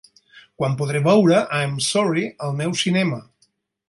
Quan podré veure I am Sorry al meu cinema